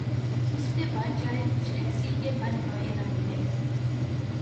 اس پہ بن جائے کچھ ایسی کہ بن آئے نہ بنے